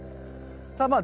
さあまあ